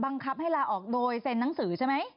บังคับให้ลาออกโดยเซ็นหนังสือใช่ไหม